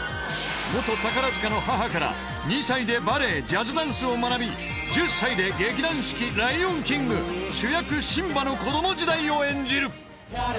［元宝塚の母から２歳でバレエジャズダンスを学び１０歳で劇団四季『ライオンキング』主役シンバの子供時代を演じる］